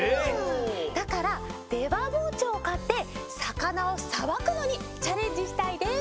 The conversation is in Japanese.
だからでばぼうちょうをかってさかなをさばくのにチャレンジしたいです！